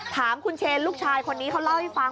ถามคุณเชนลูกชายคนนี้เขาเล่าให้ฟัง